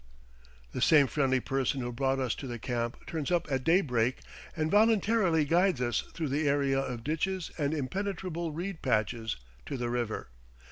The same friendly person who brought us to the camp turns up at daybreak and voluntarily guides us through the area of ditches and impenetrable reed patches to the river.